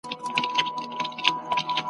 یوه ورځ به تلل کیږي عملونه په مېزان !.